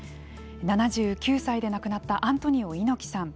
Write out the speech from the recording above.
７９歳で亡くなったアントニオ猪木さん。